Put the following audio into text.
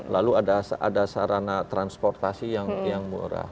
lalu ada sarana transportasi yang murah